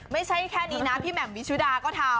ไม่ใช่แค่นี้นะพี่แหม่มวิชุดาก็ทำ